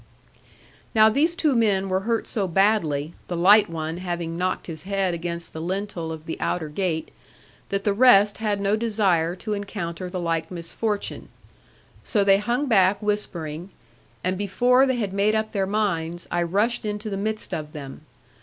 Now these two men were hurt so badly, the light one having knocked his head against the lintel of the outer gate, that the rest had no desire to encounter the like misfortune. So they hung back whispering; and before they had made up their minds, I rushed into the midst of them.